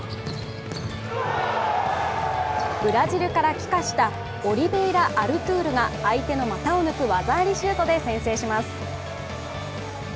ブラジルから帰化したオリベイラ・アルトゥールが相手の股を抜く技ありシュートで先制します。